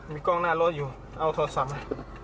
มีกล้องหน้ารถอยู่เอาโทรศัพท์